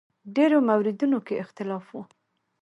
ډېرو موردونو کې اختلاف و.